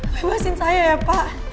bebaskan saya ya pak